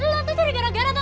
lo tuh cari gara gara tuh